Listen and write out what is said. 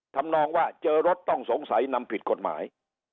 ทำนองว่าเจอรถต้องสงสัยนำผิดกฎหมาย